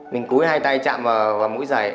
mình cúi hai tay chạm vào mũi giày